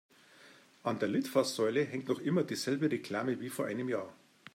An der Litfaßsäule hängt noch immer dieselbe Reklame wie vor einem Jahr.